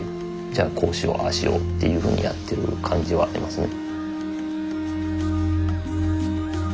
じゃあこうしようああしようっていうふうにやってる感じはありますね。